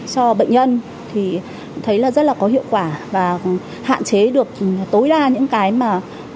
cho bệnh nhân thì thấy là rất là có hiệu quả và hạn chế được tối đa những cái mà